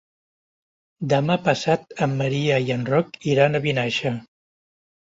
Demà passat en Maria i en Roc iran a Vinaixa.